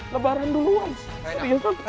kebaran duluan bisa